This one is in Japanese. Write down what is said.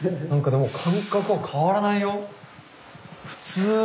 なんかでも感覚は変わらないよ。